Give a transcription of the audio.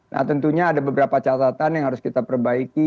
nah tentunya ada beberapa catatan yang harus kita perbaiki